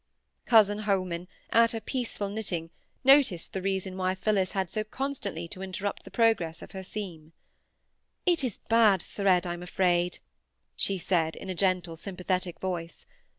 Cousin Holman, at her peaceful knitting, noticed the reason why Phillis had so constantly to interrupt the progress of her seam. "It is bad thread, I'm afraid," she said, in a gentle sympathetic voice.